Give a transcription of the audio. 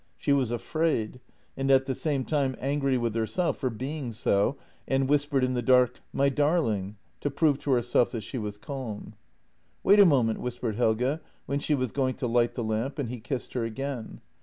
She was afraid, and at the same time angry with herself for being so, and whispered in the dark: " My darling," to prove to herself that she was calm. " Wait a moment," whispered Helge, when she was going to light the lamp, and he kissed her again.